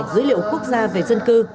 dữ liệu quốc gia về dân cư